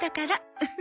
ウフフフ。